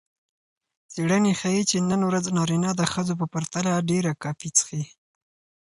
څیړنې ښيي چې نن ورځ نارینه د ښځو په پرتله ډېره کافي څښي.